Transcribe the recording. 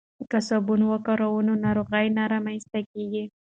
که صابون وکاروو نو ناروغۍ نه رامنځته کیږي.